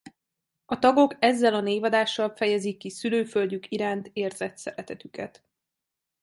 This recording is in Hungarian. A tagok ezzel a névadással fejezik ki szülőföldjük iránt érzett szeretetüket.